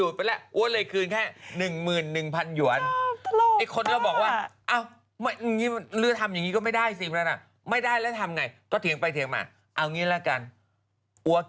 จริงไม่อยากจะคืนให้แล้ว